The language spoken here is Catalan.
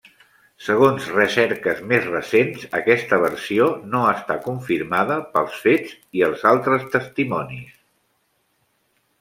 Segons recerques més recents, aquesta versió no està confirmada pels fets i els altres testimonis.